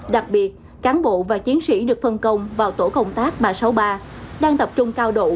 đặc biệt cán bộ và chiến sĩ được phân công vào tổ công tác ba trăm sáu mươi ba đang tập trung cao độ